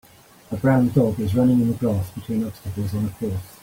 A brown dog is running in the grass between obstacles on a course